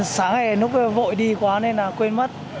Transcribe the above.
sáng ngày nó vội đi quá nên quên mất